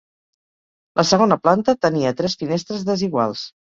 La segona planta tenia tres finestres desiguals.